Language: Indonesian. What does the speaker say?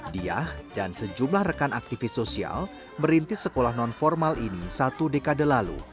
diah dan sejumlah rekan aktivis sosial merintis sekolah non formal ini satu dekade lalu